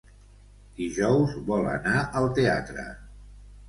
Dijous vol anar al teatre.